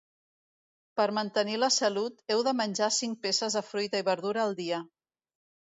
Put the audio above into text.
Per mantenir la salut, heu de menjar cinc peces de fruita i verdura al dia